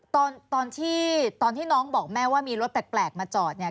ตอนที่ตอนที่น้องบอกแม่ว่ามีรถแปลกมาจอดเนี่ย